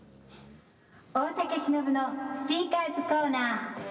「大竹しのぶの“スピーカーズコーナー”」。